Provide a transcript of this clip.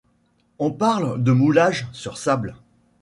On parle de moulage sur sable.